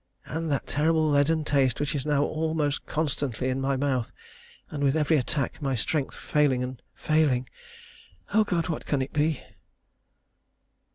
And that terrible leaden taste which is now almost constantly in my mouth; and with every attack my strength failing failing O God, what can it be?